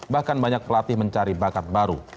bahkan banyak pelatih mencari bakat baru